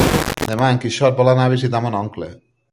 Demà en Quixot vol anar a visitar mon oncle.